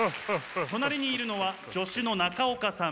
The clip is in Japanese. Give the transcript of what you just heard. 隣にいるのは助手の中岡さん。